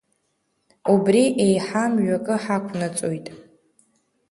Убри еиҳа мҩакы ҳақәнаҵоит.